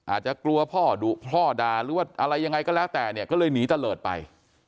อาจจะกลัวพ่อดุพ่อด่าหรือว่าอะไรยังไงก็แล้วแต่เนี่ยก็เลยหนีตะเลิศไป